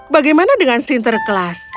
bagaimana dengan sinterklaas